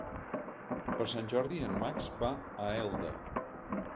Per Sant Jordi en Max va a Elda.